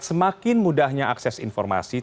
semakin mudahnya akses informasi